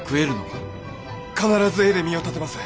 必ず絵で身を立てます。